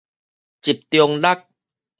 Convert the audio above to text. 集中力